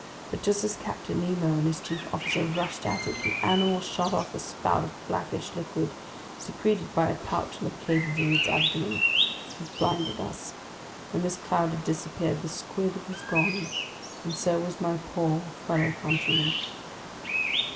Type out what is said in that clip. But just as Captain Nemo and his chief officer rushed at it, the animal shot off a spout of blackish liquid, secreted by a pouch located in its abdomen. It blinded us. When this cloud had dispersed, the squid was gone, and so was my poor fellow countryman!